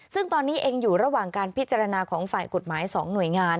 ซึ่งตอนนี้เองอยู่ระหว่างการพิจารณาของฝ่ายกฎหมาย๒หน่วยงาน